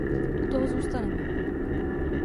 U toho zůstaneme.